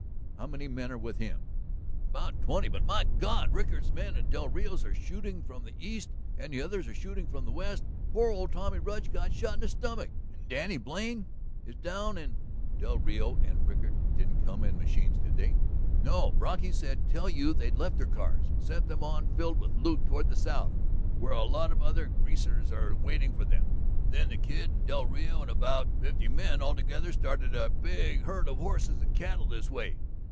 ..." "How many men are with him?" "About twenty. But ... my God! Rickard's men and del Rio's are shooting from the east and the others are shooting from the west ... poor old Tommy Rudge got shot in the stomach and Denny Blain is down and ..." "Del Rio and Rickard didn't come in machines did they?" "No. Brocky said tell you they'd left their cars, sent them on filled with loot toward the south, where a lot of other Greasers are waiting for them; then the Kid and del Rio and about fifty men altogether started a big herd of horses and cattle this way.